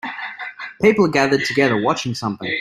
People are gathered together watching something.